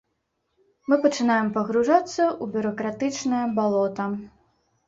Мы пачынаем пагружацца ў бюракратычнае балота.